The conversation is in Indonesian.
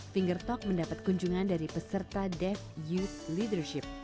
finger talk mendapat kunjungan dari peserta dev youth leadership